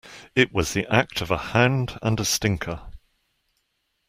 It was the act of a hound and a stinker.